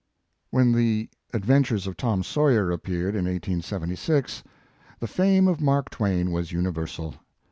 When "The Adventures of Tom Sawyer" appeared in 1876, the fame of Mark Twain was universal.